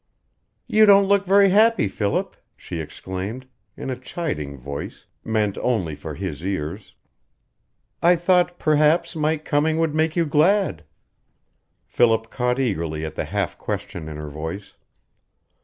"You don't look very happy, Philip," she exclaimed, in a chiding voice, meant only for his ears. "I thought perhaps my coming would make you glad." Philip caught eagerly at the half question in her voice.